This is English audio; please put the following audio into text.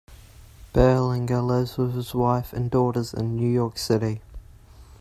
Berlinger lives with his wife and daughters in New York City.